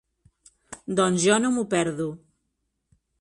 Doncs jo no m'ho perdo.